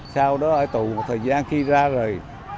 sau đó ai tù một thời gian khi ra rồi